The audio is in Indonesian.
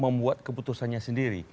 membuat keputusannya sendiri